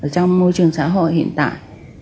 trong môi trường xã hội hiện tại